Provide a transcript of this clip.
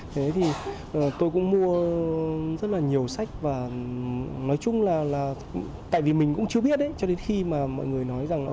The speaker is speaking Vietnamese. thế thì tôi cũng mua rất là nhiều sách và nói chung là tại vì mình cũng chưa biết cho đến khi mà mọi người nói rằng là